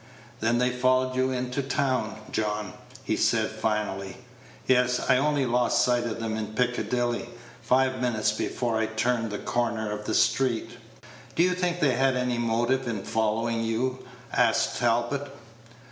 "Then they followed you into town, John?" he said, finally. "Yes; I only lost sight of them in Piccadilly, five minutes before I turned the corner of the street." "Do you think they had any motive in following you?" asked Talbot.